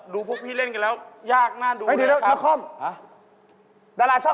ดูพวกพี่เล่นกันแล้วยากน่าดูเลยครับ